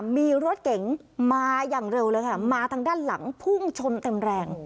มีรถเก๋งมาอย่างเร็วเลยค่ะมาทางด้านหลังพุ่งชนเต็มแรง